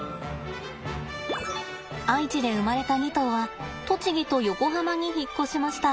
愛知で生まれた２頭は栃木と横浜に引っ越しました。